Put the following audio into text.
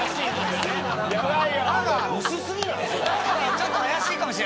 ちょっと怪しいかもしれないです。